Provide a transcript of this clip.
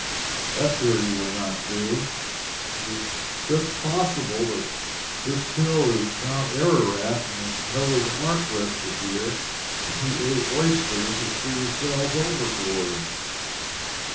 That theory will not do. It is just possible that this hill is Mount Ararat, and that Noah's Ark rested here, and he ate oysters and threw the shells overboard.